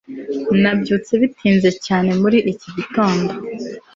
nabyutse bitinze cyane muri iki gitondo